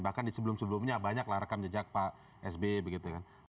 bahkan di sebelum sebelumnya banyak lah rekam jejak pak sby begitu kan